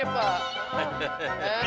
lupa apa berarti lu